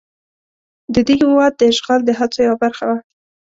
د دې هېواد د اشغال د هڅو یوه برخه وه.